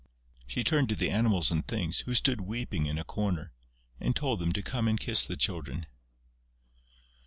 She turned to the Animals and Things, who stood weeping in a corner, and told them to come and kiss the Children.